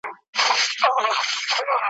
چي شیخانو وي پخوا ایمان پلورلی `